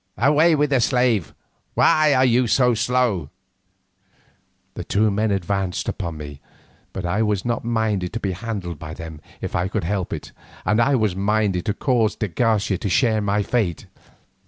"Away with this slave. Why are you so slow?" The men advanced upon me, but I was not minded to be handled by them if I could help it, and I was minded to cause de Garcia to share my fate.